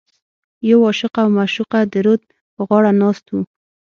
یو عاشق او معشوقه د رود په غاړه ناست و.